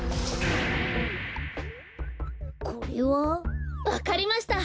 これは？わかりました。